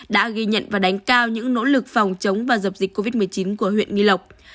đã ghi nhận và đánh cao những nỗ lực phòng chống và dập dịch covid một mươi chín của huyện nghi lộc